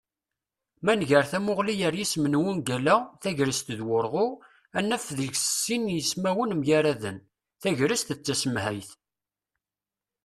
Ma nger tamuγli ar yisem n wungal-a "tagrest d wurγu", ad naf deg-s sin yismawen mgaraden: tegrest d tasemhayt